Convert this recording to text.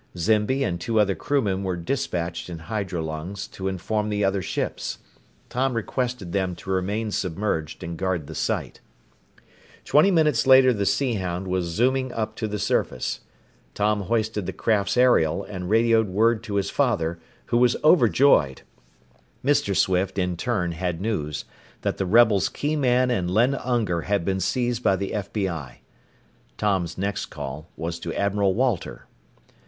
Zimby and two other crewmen were dispatched in hydrolungs to inform the other ships. Tom requested them to remain submerged and guard the site. Twenty minutes later the Sea Hound was zooming up to the surface. Tom hoisted the craft's aerial and radioed word to his father, who was overjoyed. Mr. Swift, in turn, had news that the rebels' key man and Len Unger had been seized by the FBI. Tom's next call was to Admiral Walter.